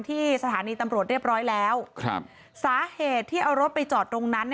ที่สถานีตำรวจเรียบร้อยแล้วครับสาเหตุที่เอารถไปจอดตรงนั้น